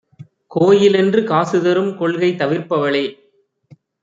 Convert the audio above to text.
கோயிலென்று காசுதரும் கொள்கை தவிர்ப்பவளே!